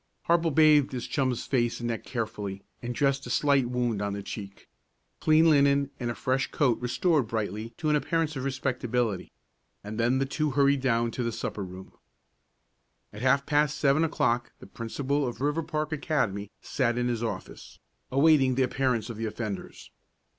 Harple bathed his chum's face and neck carefully, and dressed a slight wound on the cheek. Clean linen and a fresh coat restored Brightly to an appearance of respectability, and then the two hurried down to the supper room. At half past seven o'clock the principal of Riverpark Academy sat in his office, awaiting the appearance of the offenders.